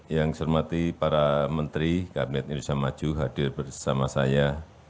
yang saya hormati para menteri kabinet indonesia maju hadir bersama saya